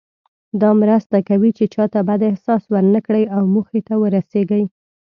دا مرسته کوي چې چاته بد احساس ورنه کړئ او موخې ته ورسیږئ.